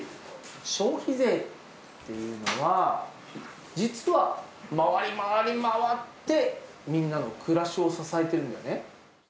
消費税っていうのは、実は回り回り回って、みんなの暮らしを支えてるんだよね。